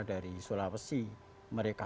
dari sulawesi mereka